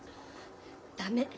駄目。